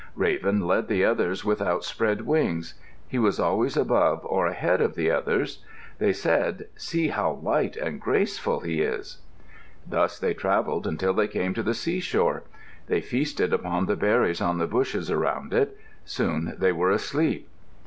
Raven led the others with outspread wings. He was always above or ahead of the others. They said, "See how light and graceful he is!" Thus they travelled until they came to the seashore. They feasted upon the berries on the bushes around it. Soon they were asleep.